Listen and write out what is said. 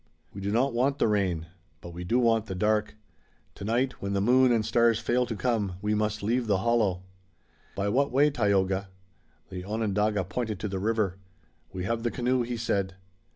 "We do not want the rain, but we do want the dark. Tonight when the moon and stars fail to come we must leave the hollow." "By what way, Tayoga?" The Onondaga pointed to the river. "We have the canoe," he said.